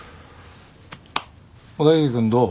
小田切君どう？